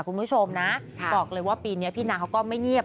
คุณผู้ชมนะบอกเลยว่าปีนี้พี่นางเขาก็ไม่เงียบ